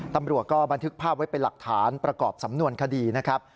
ตำรวจก็บันทึกภาพไว้เป็นหลักฐานประกอบสำนวนคดีนะครับ